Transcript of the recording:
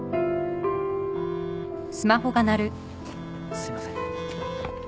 すいません。